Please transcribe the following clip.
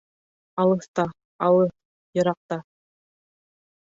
Алыҫта, алыҫ, йыраҡта